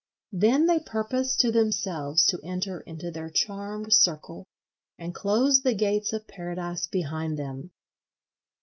Then they purpose to themselves to enter into their charmed circle, and close the gates of Paradise behind them.